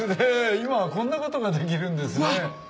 今はこんなことができるんですね。